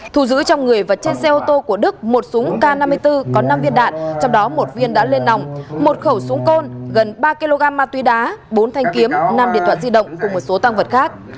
thù giữ trong người và trên xe ô tô của đức một súng k năm mươi bốn có năm viên đạn trong đó một viên đá lên nòng một khẩu súng côn gần ba kg ma túy đá bốn thanh kiếm năm điện thoại di động cùng một số tăng vật khác